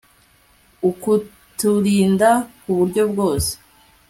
Ukutirinda kuburyo bwose